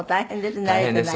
大変です。